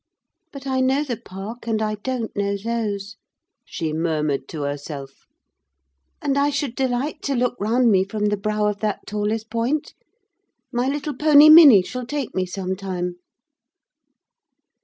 "But I know the park, and I don't know those," she murmured to herself. "And I should delight to look round me from the brow of that tallest point: my little pony Minny shall take me some time."